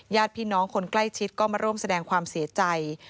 ญาติพี่น้องคนใกล้ชิดก็มาร่วมแสดงความเสียใจ